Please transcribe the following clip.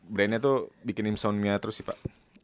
brandnya tuh bikin imsonnya terus sih pak